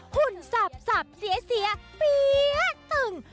หุ่นสับเสียเปี๊ยะตึง